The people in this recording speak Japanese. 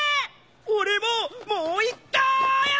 俺ももういっかい！